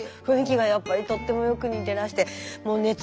雰囲気がやっぱりとってもよく似てらして。